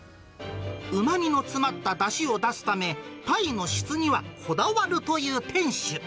うまみの詰まっただしを出すため、タイの質にはこだわるという店主。